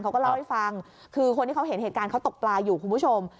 เขาก็เล่าให้ฟังคือคนที่เขาเห็นเหตุการณ์เขาตกปลาอยู่คุณผู้ชม